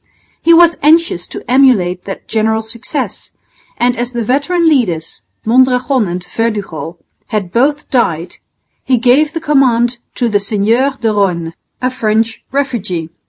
He was anxious to emulate that general's success, and as the veteran leaders, Mondragon and Verdugo, had both died, he gave the command to the Seigneur de Rosne, a French refugee.